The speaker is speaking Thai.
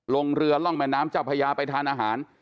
ลงเรือร่องแม่น้ำเจ้าพญาไปทานอาหาร